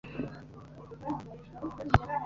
Nkoresha Linux kuri mudasobwa yanjye (sysko)